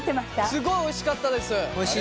すごいおいしかったです。